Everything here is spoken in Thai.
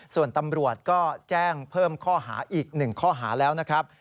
ส่วนตำรวจก็แจ้งเพิ่มข้อหาอีก๑ข้อหาแล้วนะครับ